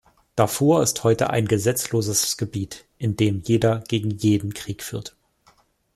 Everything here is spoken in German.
Darfur ist heute ein gesetzloses Gebiet, in dem jeder gegen jeden Krieg führt.